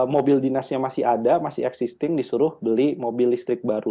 mobil dinasnya masih ada masih existing disuruh beli mobil listrik baru